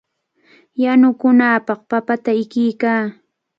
Yanukunapaq papata ikiykay.